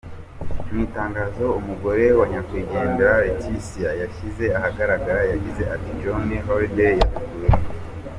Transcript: Mu itangazo umugore wa Nyakwigendera Laeticia yashyize ahagaragara yagize ati "Johnny Hallday yadukuwemo.